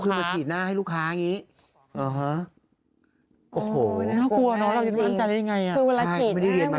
ก็คือมาฉีดหน้าให้ลูกค้าอย่างงี้โอ้โหน่ากลัวเนาะเราก็ไม่รู้จักได้ยังไงอะ